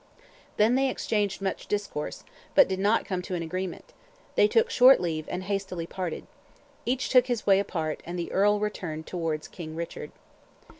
Then they exchanged much discourse, but did not come to agreement; they took short leave, and hastily parted. Each took his way apart, and the Earl returned towards King Richard."